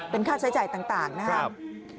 เป็นค่าใช้จ่ายต่างนะครับ